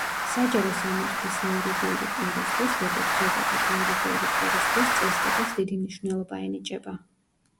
საჯარო სამართლის იურიდიული პირისთვის, როგორც, ზოგადად, იურიდიული პირისთვის, წესდებას დიდი მნიშვნელობა ენიჭება.